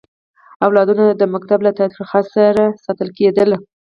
اولادونه د ښوونځي له تاوتریخوالي ساتل کېدل.